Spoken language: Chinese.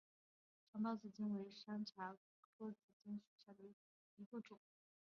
长苞紫茎为山茶科紫茎属下的一个种。